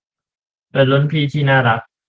เป็นรุ่นพี่ที่น่ารัก